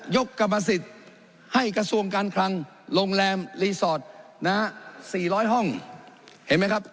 กรรมสิทธิ์ให้กระทรวงการคลังโรงแรมรีสอร์ทนะฮะ๔๐๐ห้องเห็นไหมครับ